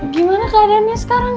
gimana keadaannya sekarang